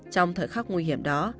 trong thời khắc nguy hiểm đó